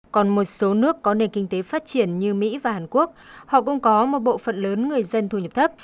còn một số nước có nền kinh tế phát triển như mỹ và hàn quốc họ cũng có một bộ phận lớn người dân thu nhập thấp